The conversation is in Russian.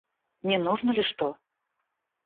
Не нужно ли что?